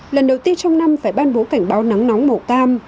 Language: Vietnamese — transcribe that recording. lần đầu tiên trong năm phải ban bố cảnh báo nắng nóng màu cam